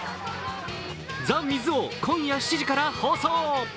「ＴＨＥ水王」、今夜７時から放送。